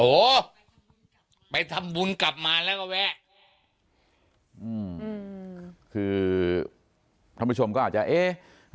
โอ้โหไปทำบุญกลับมาแล้วก็แวะอืมคือท่านผู้ชมก็อาจจะเอ๊ะ